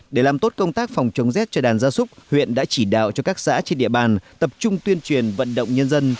để làm tốt công tác phòng chống rét cho đàn gia súc huyện đã chỉ đạo cho các xã trên địa bàn tập trung tuyên truyền vận động nhân dân